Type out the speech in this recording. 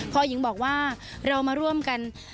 พอหญิงบอกว่าเรามาร่วมกัน